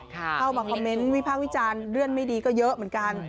เข้ามาคอมเมนต์วิพากษ์วิจารณ์เรื่องไม่ดีก็เยอะเหมือนกัน